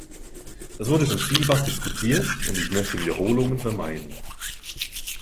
Das wurde schon vielfach diskutiert, und ich möchte Wiederholungen vermeiden.